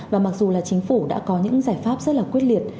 và mặc dù là chính phủ đã có những giải pháp rất là quyết liệt